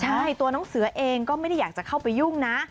ใช่ตัวน้องเสือเองก็ไม่ได้อยากจะเข้าไปยุ่งนะ